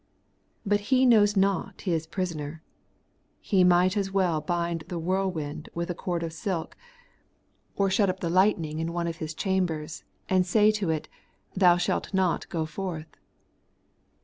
But he knows not his prisoner. He might as well bind the whirlwind with a cord of silk, or shut up the lightning in one of his chambers, and say to it, 128 The Everlasting Righteousruss. Thou shalt not go forth.